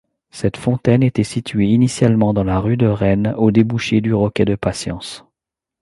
Cette fontaine était située initialement dans la Rue de Rennes au débouché du Roquet-de-Patience.